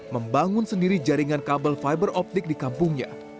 membangun sendiri jaringan kabel fiber optik di kampungnya